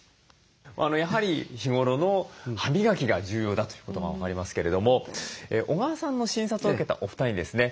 やはり日頃の歯磨きが重要だということが分かりますけれども小川さんの診察を受けたお二人にですね